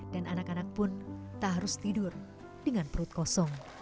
dan anak anak pun tak harus tidur dengan perut kosong